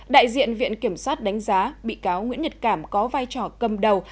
đại diện viện kiểm soát đánh giá bị cáo nguyễn nhật cảm có vai trò cầm đầu